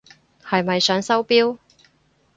係咪想收錶？